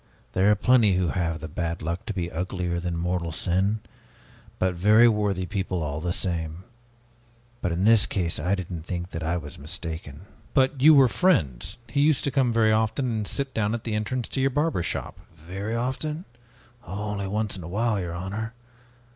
There are plenty who have the bad luck to be uglier than mortal sin, but very worthy people all the same. But in this case I didn't think that I was mistaken." "But you were friends. He used to come very often and sit down at the entrance to your barber shop." "Very often? Only once in a while, your honor!